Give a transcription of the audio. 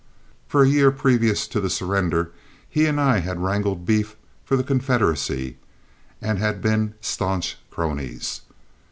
For a year previous to the surrender he and I had wrangled beef for the Confederacy and had been stanch cronies.